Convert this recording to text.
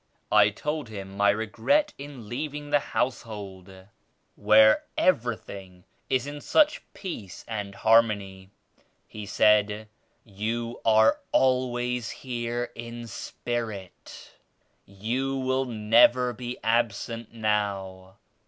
I told him my regret in leaving the Household where every thing is in such peace and harmony. He said "You are always here in spirit; you will never be absent now."